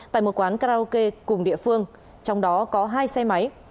tại một quán karaoke cùng địa phương trong đó có hai xe máy